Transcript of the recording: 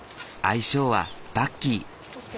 愛称はバッキー。